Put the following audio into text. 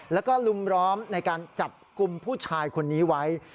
แล้วก็ลุมล้อมในการจับกลุ่มผู้ชายคนนี้ไว้